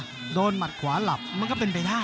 ถ้าโดนหมัดขวาหลับมันก็เป็นไปได้